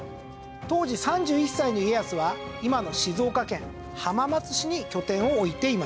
当時３１歳の家康は今の静岡県浜松市に拠点を置いていました。